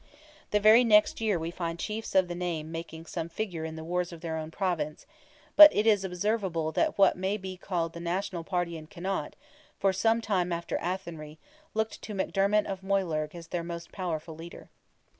The very next year we find chiefs of the name making some figure in the wars of their own province, but it is observable that what may be called the national party in Connaught for some time after Athenry, looked to McDermott of Moylurg as their most powerful leader.